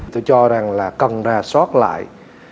tôi cho rằng là cần ra soát lại